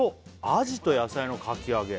「あじと野菜のかき揚げ」